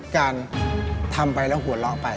การทำไปแล้วหวล่องไป